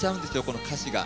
この歌詞が。